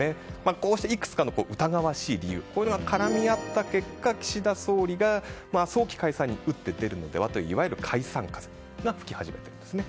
こうした、いくつかの疑わしい理由が絡み合った結果岸田総理が早期解散に打って出るのではといわゆる解散風が吹き始めているんですね。